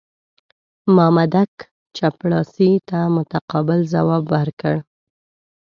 مامدک چپړاسي ته متقابل ځواب ورکړ.